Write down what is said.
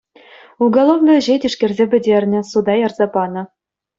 Уголовлӑ ӗҫе тишкерсе пӗтернӗ, суда ярса панӑ.